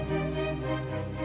itu tapi apa